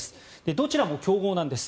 どちらも強豪なんです。